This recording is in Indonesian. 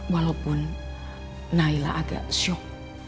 walaupun naila agak syok